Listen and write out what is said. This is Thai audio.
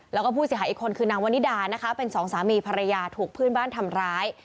แล้วก็ผู้เสียหาอีกคนนางวณิดานเป็นสองสามีพรรยาถูกพื้นบ้านทำร้าย